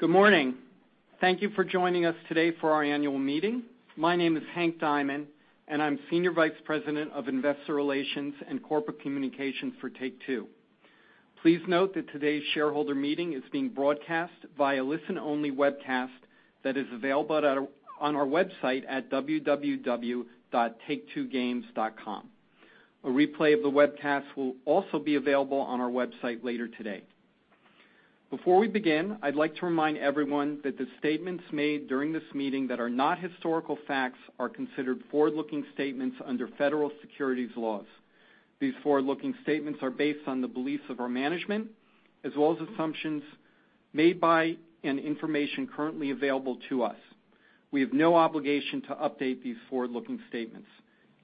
Good morning. Thank you for joining us today for our annual meeting. My name is Hank Diamond, and I'm Senior Vice President of Investor Relations and Corporate Communications for Take-Two. Please note that today's shareholder meeting is being broadcast via listen-only webcast that is available on our website at www.taketwogames.com. A replay of the webcast will also be available on our website later today. Before we begin, I'd like to remind everyone that the statements made during this meeting that are not historical facts are considered forward-looking statements under federal securities laws. These forward-looking statements are based on the beliefs of our management, as well as assumptions made by and information currently available to us. We have no obligation to update these forward-looking statements.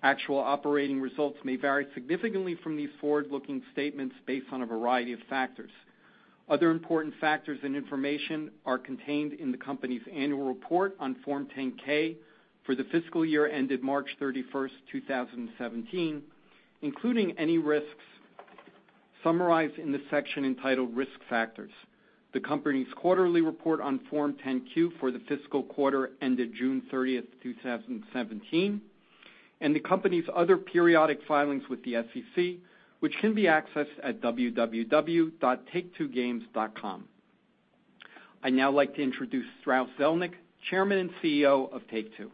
Actual operating results may vary significantly from these forward-looking statements based on a variety of factors. Other important factors and information are contained in the company's annual report on Form 10-K for the fiscal year ended March 31st, 2017, including any risks summarized in the section entitled Risk Factors. The company's quarterly report on Form 10-Q for the fiscal quarter ended June 30th, 2017, and the company's other periodic filings with the SEC, which can be accessed at www.taketwogames.com. I'd now like to introduce Strauss Zelnick, Chairman and CEO of Take-Two.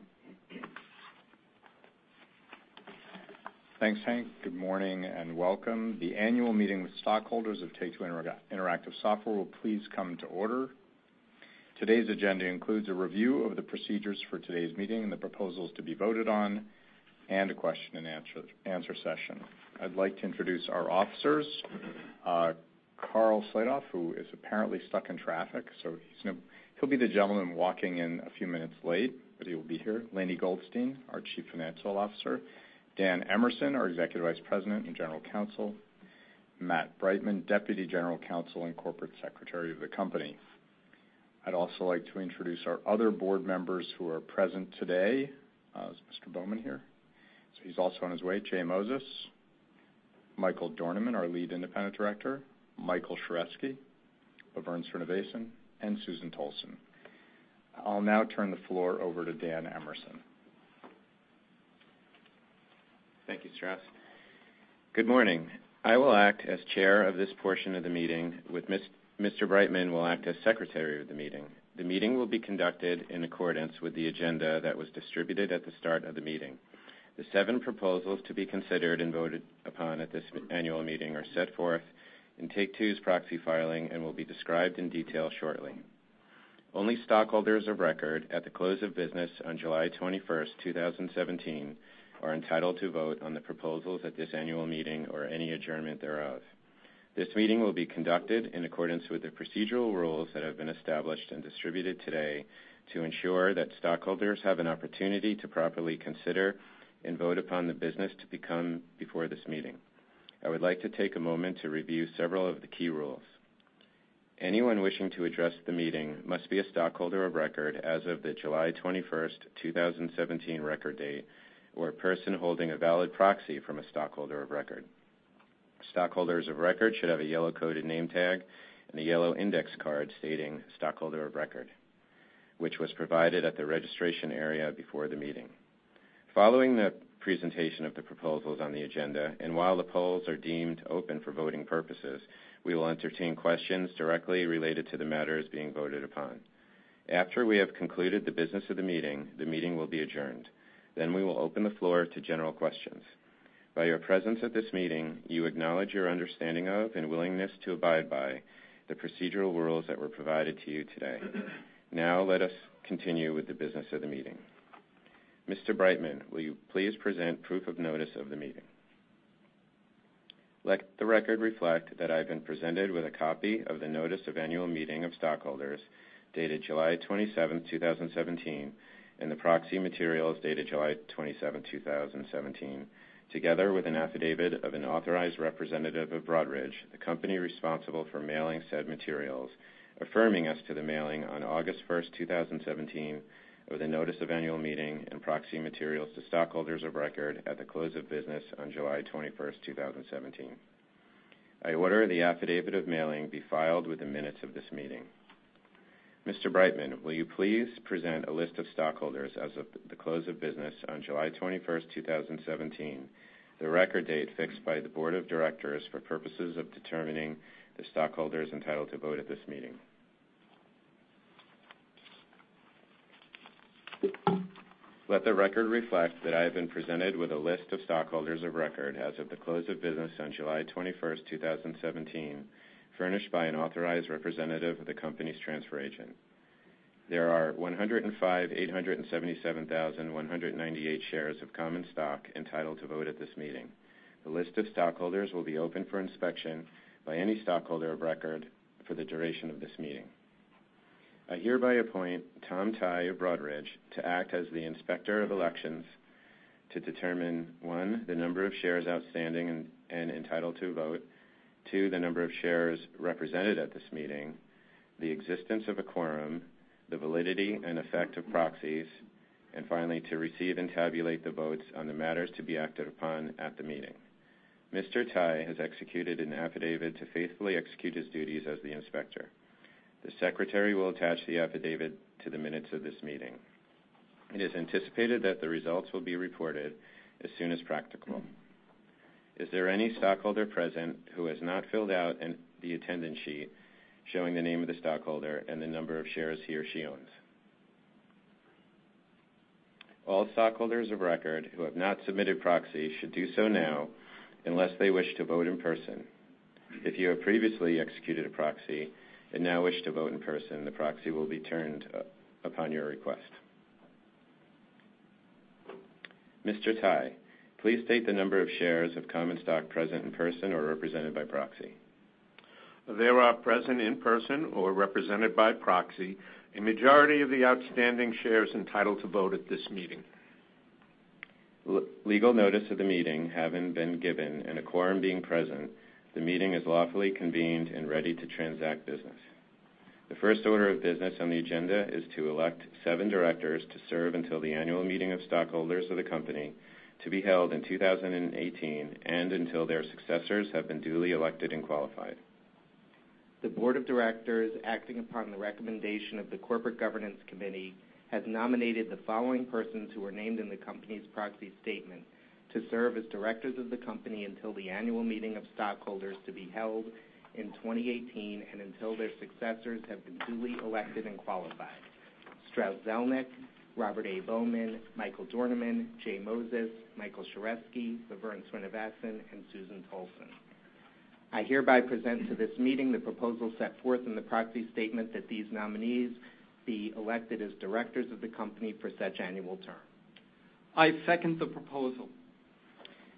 Thanks, Hank. Good morning, and welcome. The annual meeting with stockholders of Take-Two Interactive Software will please come to order. Today's agenda includes a review of the procedures for today's meeting and the proposals to be voted on, and a question and answer session. I'd like to introduce our officers. Karl Slatoff, who is apparently stuck in traffic, so he'll be the gentleman walking in a few minutes late, but he will be here. Lainie Goldstein, our Chief Financial Officer. Dan Emerson, our Executive Vice President and General Counsel. Matt Breitman, Deputy General Counsel and Corporate Secretary of the company. I'd also like to introduce our other board members who are present today. Is Mr. Bowman here? He's also on his way. J Moses. Michael Dornemann, our Lead Independent Director, Michael Sheresky, LaVerne Srinivasan, and Susan Tolson. I'll now turn the floor over to Dan Emerson. Thank you, Strauss. Good morning. I will act as chair of this portion of the meeting, Mr. Breitman will act as secretary of the meeting. The meeting will be conducted in accordance with the agenda that was distributed at the start of the meeting. The seven proposals to be considered and voted upon at this annual meeting are set forth in Take-Two's proxy filing and will be described in detail shortly. Only stockholders of record at the close of business on July 21st, 2017, are entitled to vote on the proposals at this annual meeting or any adjournment thereof. This meeting will be conducted in accordance with the procedural rules that have been established and distributed today to ensure that stockholders have an opportunity to properly consider and vote upon the business to become before this meeting. I would like to take a moment to review several of the key rules. Anyone wishing to address the meeting must be a stockholder of record as of the July 21st, 2017, record date, or a person holding a valid proxy from a stockholder of record. Stockholders of record should have a yellow-coded name tag and a yellow index card stating stockholder of record, which was provided at the registration area before the meeting. Following the presentation of the proposals on the agenda, and while the polls are deemed open for voting purposes, we will entertain questions directly related to the matters being voted upon. After we have concluded the business of the meeting, the meeting will be adjourned. Then we will open the floor to general questions. By your presence at this meeting, you acknowledge your understanding of and willingness to abide by the procedural rules that were provided to you today. Now let us continue with the business of the meeting. Mr. Breitman, will you please present proof of notice of the meeting? Let the record reflect that I have been presented with a copy of the Notice of Annual Meeting of Stockholders dated July 27th, 2017, and the proxy materials dated July 27th, 2017, together with an affidavit of an authorized representative of Broadridge, the company responsible for mailing said materials, affirming as to the mailing on August 1st, 2017, with a notice of annual meeting and proxy materials to stockholders of record at the close of business on July 21st, 2017. I order the affidavit of mailing be filed with the minutes of this meeting. Mr. Breitman, will you please present a list of stockholders as of the close of business on July 21st, 2017, the record date fixed by the board of directors for purposes of determining the stockholders entitled to vote at this meeting. Let the record reflect that I have been presented with a list of stockholders of record as of the close of business on July 21st, 2017, furnished by an authorized representative of the company's transfer agent. There are 105,877,198 shares of common stock entitled to vote at this meeting. The list of stockholders will be open for inspection by any stockholder of record for the duration of this meeting. I hereby appoint Tom Tighe of Broadridge to act as the Inspector of Elections to determine, one, the number of shares outstanding and entitled to vote, two, the number of shares represented at this meeting, the existence of a quorum, the validity and effect of proxies, and finally, to receive and tabulate the votes on the matters to be acted upon at the meeting. Mr. Tighe has executed an affidavit to faithfully execute his duties as the inspector. The secretary will attach the affidavit to the minutes of this meeting. It is anticipated that the results will be reported as soon as practical. Is there any stockholder present who has not filled out the attendance sheet showing the name of the stockholder and the number of shares he or she owns? All stockholders of record who have not submitted proxy should do so now, unless they wish to vote in person. If you have previously executed a proxy and now wish to vote in person, the proxy will be turned upon your request. Mr. Tighe, please state the number of shares of common stock present in person or represented by proxy. There are present in person or represented by proxy, a majority of the outstanding shares entitled to vote at this meeting. Legal notice of the meeting having been given and a quorum being present, the meeting is lawfully convened and ready to transact business. The first order of business on the agenda is to elect seven directors to serve until the annual meeting of stockholders of the company to be held in 2018, and until their successors have been duly elected and qualified. The board of directors, acting upon the recommendation of the Corporate Governance Committee, has nominated the following persons who are named in the company's proxy statement to serve as directors of the company until the annual meeting of stockholders to be held in 2018 and until their successors have been duly elected and qualified. Strauss Zelnick, Robert A. Bowman, Michael Dornemann, J Moses, Michael Sheresky, LaVerne Srinivasan, and Susan Tolson. I hereby present to this meeting the proposal set forth in the proxy statement that these nominees be elected as directors of the company for such annual term. I second the proposal.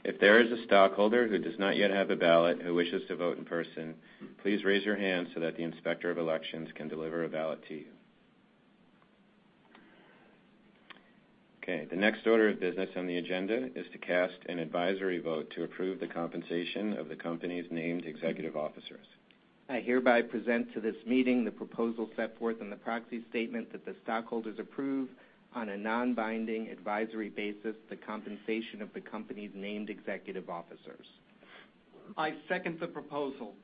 If there is a stockholder who does not yet have a ballot who wishes to vote in person, please raise your hand so that the Inspector of Elections can deliver a ballot to you. Okay, the next order of business on the agenda is to cast an advisory vote to approve the compensation of the company's named executive officers. I hereby present to this meeting the proposal set forth in the proxy statement that the stockholders approve, on a non-binding advisory basis, the compensation of the company's named executive officers. I second the proposal.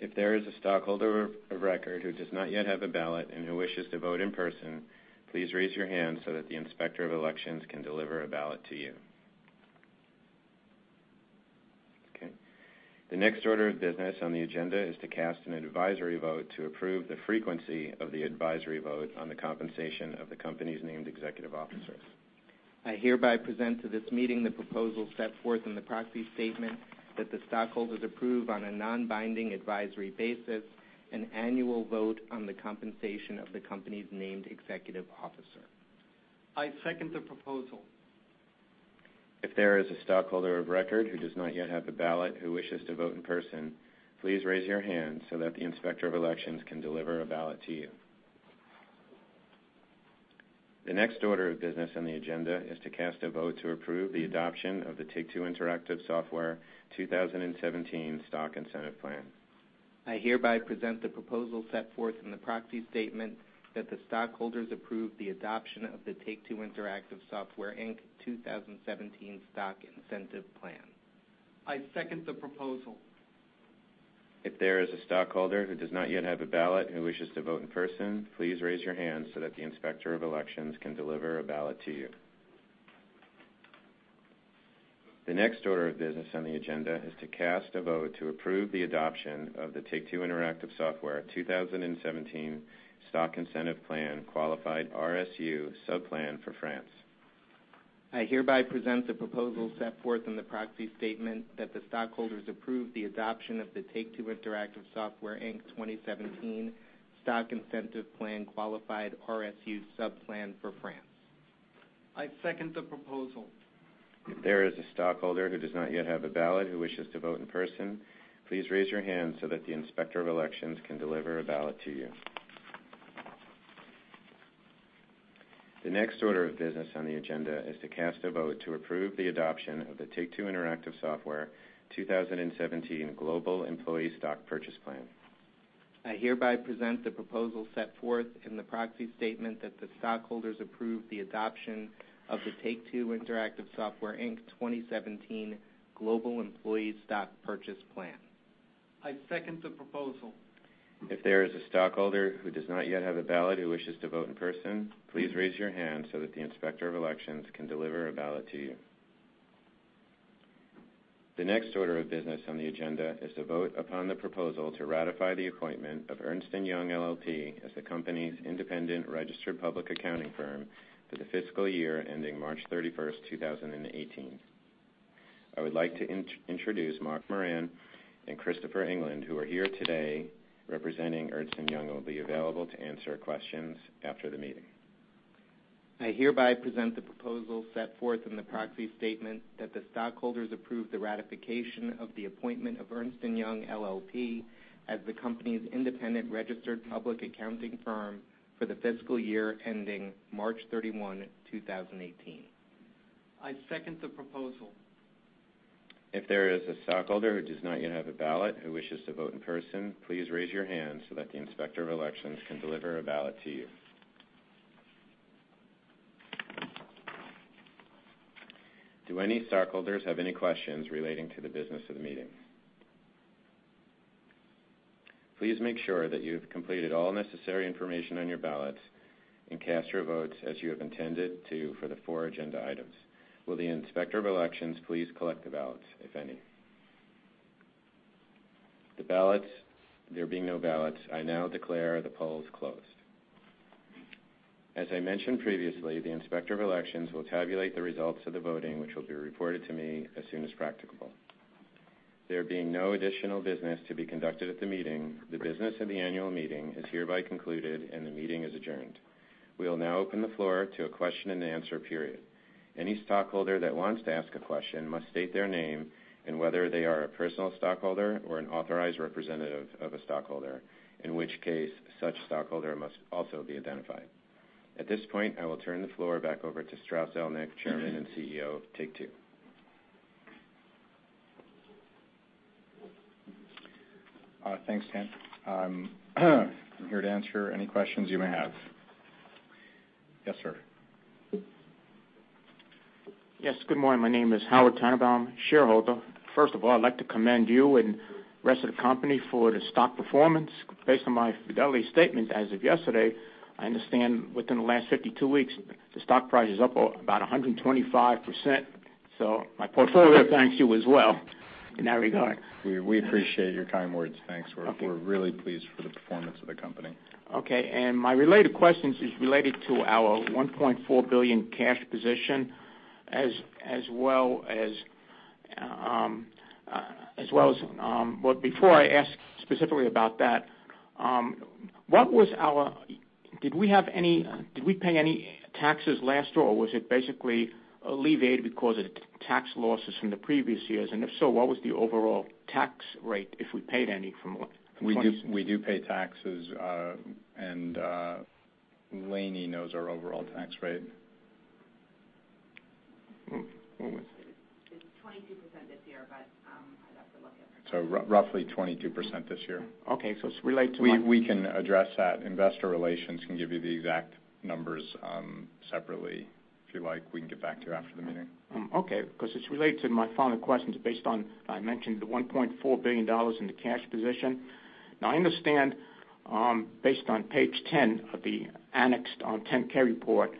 If there is a stockholder of record who does not yet have a ballot and who wishes to vote in person, please raise your hand so that the Inspector of Elections can deliver a ballot to you. Okay. The next order of business on the agenda is to cast an advisory vote to approve the frequency of the advisory vote on the compensation of the company's named executive officers. I hereby present to this meeting the proposal set forth in the proxy statement that the stockholders approve, on a non-binding advisory basis, an annual vote on the compensation of the company's named executive officer. I second the proposal. If there is a stockholder of record who does not yet have a ballot who wishes to vote in person, please raise your hand so that the Inspector of Elections can deliver a ballot to you. The next order of business on the agenda is to cast a vote to approve the adoption of the Take-Two Interactive Software 2017 Stock Incentive Plan. I hereby present the proposal set forth in the proxy statement that the stockholders approve the adoption of the Take-Two Interactive Software Inc. 2017 Stock Incentive Plan. I second the proposal. If there is a stockholder who does not yet have a ballot who wishes to vote in person, please raise your hand so that the Inspector of Elections can deliver a ballot to you. The next order of business on the agenda is to cast a vote to approve the adoption of the Take-Two Interactive Software 2017 Stock Incentive Plan qualified RSU subplan for France. I hereby present the proposal set forth in the proxy statement that the stockholders approve the adoption of the Take-Two Interactive Software, Inc. 2017 Stock Incentive Plan qualified RSU subplan for France. I second the proposal. If there is a stockholder who does not yet have a ballot who wishes to vote in person, please raise your hand so that the Inspector of Elections can deliver a ballot to you. The next order of business on the agenda is to cast a vote to approve the adoption of the Take-Two Interactive Software 2017 Global Employee Stock Purchase Plan. I hereby present the proposal set forth in the proxy statement that the stockholders approve the adoption of the Take-Two Interactive Software, Inc. 2017 Global Employee Stock Purchase Plan. I second the proposal. If there is a stockholder who does not yet have a ballot who wishes to vote in person, please raise your hand so that the Inspector of Elections can deliver a ballot to you. The next order of business on the agenda is to vote upon the proposal to ratify the appointment of Ernst & Young LLP as the company's independent registered public accounting firm for the fiscal year ending March 31st, 2018. I would like to introduce Mark Moran and Christopher England, who are here today representing Ernst & Young, and will be available to answer questions after the meeting. I hereby present the proposal set forth in the proxy statement that the stockholders approve the ratification of the appointment of Ernst & Young LLP as the company's independent registered public accounting firm for the fiscal year ending March 31, 2018. I second the proposal. If there is a stockholder who does not yet have a ballot who wishes to vote in person, please raise your hand so that the inspector of elections can deliver a ballot to you. Do any stockholders have any questions relating to the business of the meeting? Please make sure that you've completed all necessary information on your ballots and cast your votes as you have intended to for the four agenda items. Will the inspector of elections please collect the ballots, if any? There being no ballots, I now declare the polls closed. As I mentioned previously, the inspector of elections will tabulate the results of the voting, which will be reported to me as soon as practicable. There being no additional business to be conducted at the meeting, the business of the annual meeting is hereby concluded, and the meeting is adjourned. We'll now open the floor to a question and answer period. Any stockholder that wants to ask a question must state their name and whether they are a personal stockholder or an authorized representative of a stockholder, in which case such stockholder must also be identified. At this point, I will turn the floor back over to Strauss Zelnick, Chairman and CEO of Take-Two. Thanks, Dan. I'm here to answer any questions you may have. Yes, sir. Yes. Good morning. My name is Howard Tenenbaum, shareholder. First of all, I'd like to commend you and the rest of the company for the stock performance. Based on my Fidelity statement as of yesterday, I understand within the last 52 weeks, the stock price is up about 125%, my portfolio thanks you as well in that regard. We appreciate your kind words. Thanks. Okay. We're really pleased for the performance of the company. Okay. My related question is related to our $1.4 billion cash position. Before I ask specifically about that, did we pay any taxes last year, or was it basically alleviated because of tax losses from the previous years? If so, what was the overall tax rate, if we paid any? We do pay taxes. Lainie knows our overall tax rate. It's 22% this year. Roughly 22% this year. Okay. It's related to my We can address that. Investor relations can give you the exact numbers separately. If you like, we can get back to you after the meeting. Okay. It's related to my final questions based on, I mentioned the $1.4 billion in the cash position. Now, I understand, based on page 10 of the annexed on 10-K report,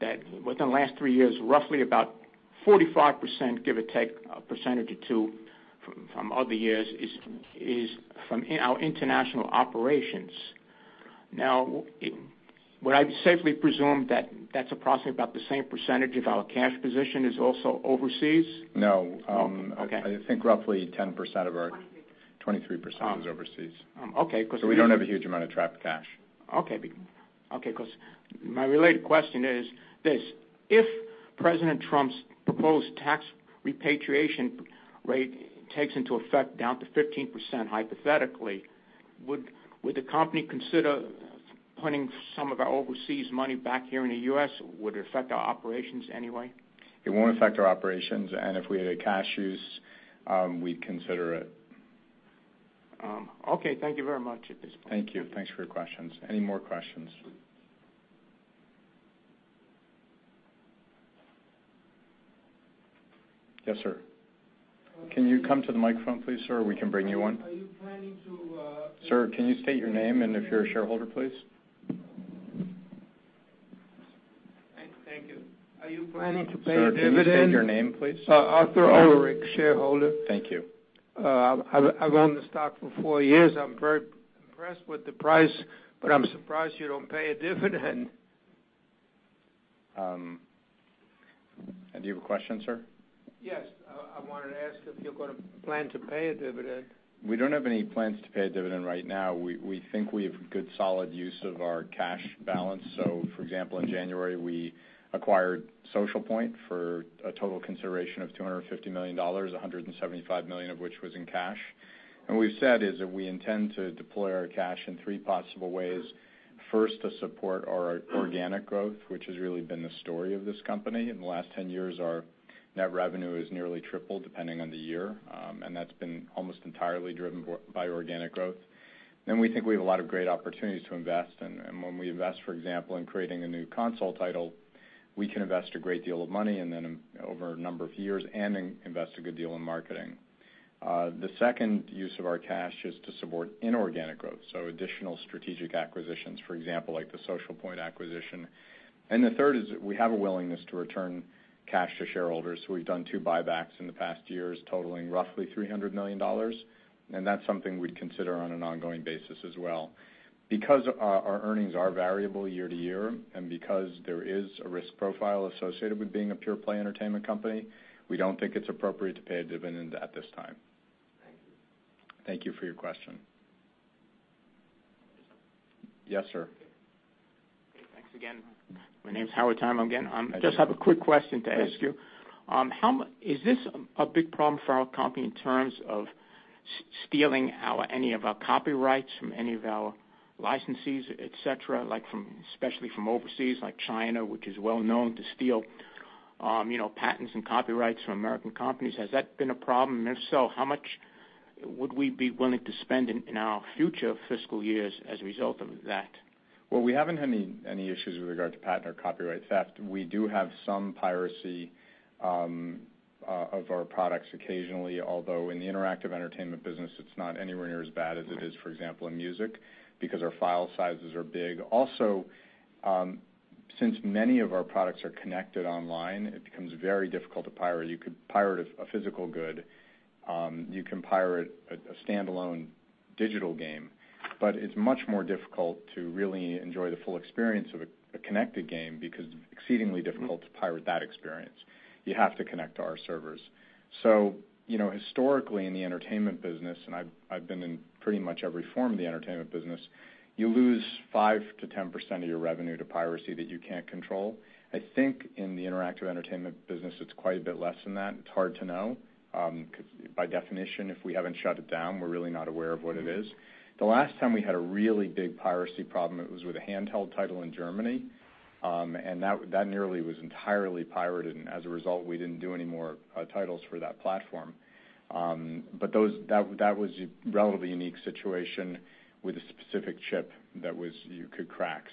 that within the last three years, roughly about 45%, give or take a percentage or two from other years, is from our international operations. Now, would I safely presume that that's approximately about the same percentage of our cash position is also overseas? No. Okay. I think roughly 10% of 23%. 23% is overseas. Okay, because we- We don't have a huge amount of trapped cash. Okay, because my related question is this: If President Trump's proposed tax repatriation rate takes into effect down to 15%, hypothetically, would the company consider putting some of our overseas money back here in the U.S.? Would it affect our operations in any way? It won't affect our operations, and if we had a cash use, we'd consider it. Okay. Thank you very much at this point. Thank you. Thanks for your questions. Any more questions? Yes, sir. Can you come to the microphone, please, sir, or we can bring you one. Are you planning to- Sir, can you state your name and if you're a shareholder, please? Thank you. Are you planning to pay dividend? Sir, can you state your name, please? Arthur Ulrich, shareholder. Thank you. I've owned the stock for four years. I'm very impressed with the price. I'm surprised you don't pay a dividend. Do you have a question, sir? Yes. I wanted to ask if you're going to plan to pay a dividend. We don't have any plans to pay a dividend right now. We think we have good solid use of our cash balance. For example, in January, we acquired Social Point for a total consideration of $250 million, $175 million of which was in cash. We've said is that we intend to deploy our cash in three possible ways. First, to support our organic growth, which has really been the story of this company. In the last 10 years, our net revenue has nearly tripled, depending on the year. That's been almost entirely driven by organic growth. We think we have a lot of great opportunities to invest. When we invest, for example, in creating a new console title, we can invest a great deal of money and then over a number of years and invest a good deal in marketing. The second use of our cash is to support inorganic growth, so additional strategic acquisitions, for example, like the Social Point acquisition. The third is we have a willingness to return cash to shareholders. We've done two buybacks in the past years totaling roughly $300 million. That's something we'd consider on an ongoing basis as well. Because our earnings are variable year-to-year and because there is a risk profile associated with being a pure-play entertainment company, we don't think it's appropriate to pay a dividend at this time. Thank you. Thank you for your question. Yes, sir. Hey, thanks again. My name is Howard Tenenbaum again. Hi, Howard. I just have a quick question to ask you. Sure. Is this a big problem for our company in terms of stealing any of our copyrights from any of our licensees, et cetera, especially from overseas like China, which is well-known to steal patents and copyrights from American companies. Has that been a problem? If so, how much would we be willing to spend in our future fiscal years as a result of that? Well, we haven't had any issues with regard to patent or copyright theft. We do have some piracy of our products occasionally, although in the interactive entertainment business, it's not anywhere near as bad as it is, for example, in music because our file sizes are big. Also, since many of our products are connected online, it becomes very difficult to pirate. You could pirate a physical good, you can pirate a standalone digital game, but it's much more difficult to really enjoy the full experience of a connected game because it's exceedingly difficult to pirate that experience. You have to connect to our servers. Historically, in the entertainment business, and I've been in pretty much every form of the entertainment business, you lose 5%-10% of your revenue to piracy that you can't control. I think in the interactive entertainment business, it's quite a bit less than that. It's hard to know. By definition, if we haven't shut it down, we're really not aware of what it is. The last time we had a really big piracy problem, it was with a handheld title in Germany, and that nearly was entirely pirated, and as a result, we didn't do any more titles for that platform. That was a relatively unique situation with a specific chip that you could crack.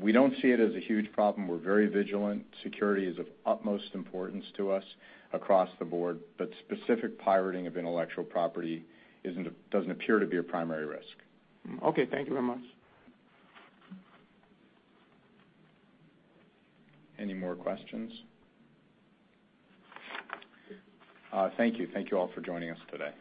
We don't see it as a huge problem. We're very vigilant. Security is of utmost importance to us across the board, but specific pirating of intellectual property doesn't appear to be a primary risk. Okay. Thank you very much. Any more questions? Thank you. Thank you all for joining us today.